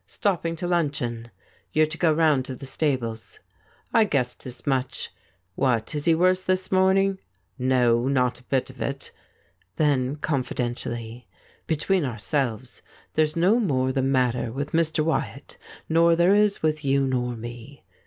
' Stopping to lun cheon — you're to go round to the stables.' ' I guessed as much. WTiat — is he worse this morning ?' 'No, not a bit of it.' Then, confidentially :' Between ourselves, there's no more the matter with Mr. Wyatt nor there is with you nor me.'